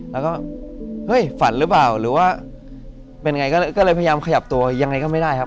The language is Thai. แล้วก็เฮ้ยฝันหรือเปล่าหรือว่าเป็นไงก็เลยพยายามขยับตัวยังไงก็ไม่ได้ครับ